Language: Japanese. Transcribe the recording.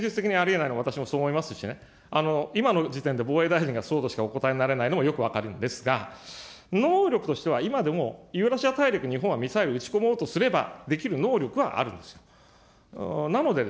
戦術的にありえないのは私もそう思いますしね、今の時点で防衛大臣がそうとしかお答えできないのもよく分かるんですが、能力としては今でもユーラシア大陸、日本はミサイル撃ち込もうとすれば、できる能力はあるんですよ。